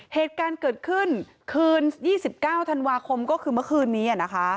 เหตุการณ์เกิดขึ้นคืน๒๙ธันวาคมก็คือเมื่อคืนนี้นะคะ